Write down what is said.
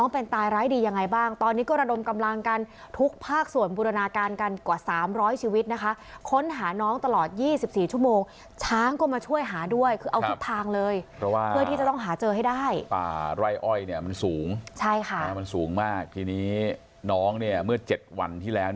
ป่าร่ายอ้อยมันสูงใช่ค่ะมันสูงมากทีนี้น้องเมื่อ๗วันที่แล้ว